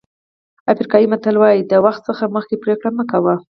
افریقایي متل وایي د وخت څخه مخکې پرېکړه مه کوئ.